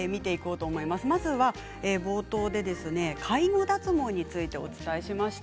まずは冒頭で介護脱毛についてお伝えしました。